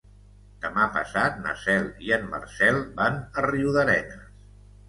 Demà passat na Cel i en Marcel van a Riudarenes.